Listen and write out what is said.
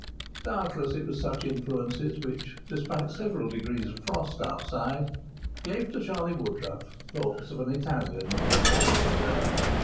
Doubtless it was such influences which, despite several degrees of frost outside, gave to Charlie Woodruff's thoughts an Italian, or Spanish, turn.